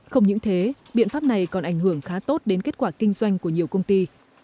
không những thế biện pháp này còn ảnh hưởng khá tốt đến kết quả kinh doanh của nhiều công ty